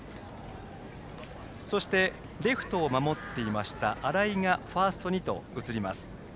そして、レフトを守っていました荒居がファーストに移ります。